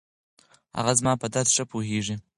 هغه زما په درد ښه پوهېږي.